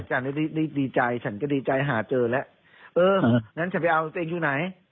ฉันได้ดีใจฉันก็ดีใจหาเจอแล้วเอองั้นฉันไปเอาตัวเองอยู่ไหน